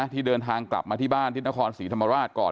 ที่เดินทางกลับมาที่บ้านที่นครศรีธรรมราชก่อน